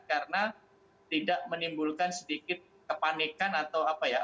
karena tidak menimbulkan sedikit kepanikan atau apa ya